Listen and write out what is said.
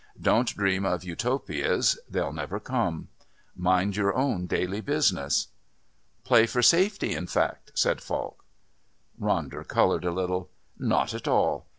Don't dream of Utopias they'll never come. Mind your own daily business." "Play for safety, in fact," said Falk. Ronder coloured a little. "Not at all.